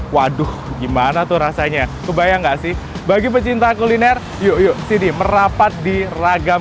waduh gimana tuh rasanya kebayang nggak sih bagi pecinta kuliner yuk sini merapat di ragam